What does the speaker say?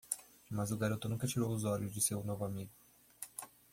Mas o garoto nunca tirou os olhos de seu novo amigo.